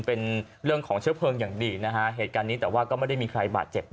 เป็นเรื่องของเชื้อแปลงอย่างดีแต่ว่าไม่ได้มีใครบาดเจ็บ